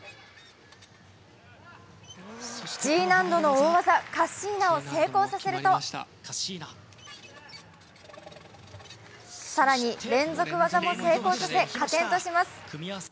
Ｇ難度の大技カッシーナを成功させると更に連続技も成功させ、加点とします。